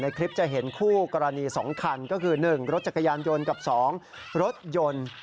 คลิปจะเห็นคู่กรณี๒คันก็คือ๑รถจักรยานยนต์กับ๒รถยนต์